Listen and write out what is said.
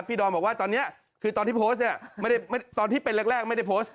ดอมบอกว่าตอนนี้คือตอนที่โพสต์เนี่ยตอนที่เป็นแรกไม่ได้โพสต์